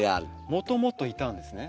もともといたんですね。